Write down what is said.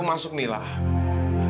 aku mau berjalan ke rumah sakit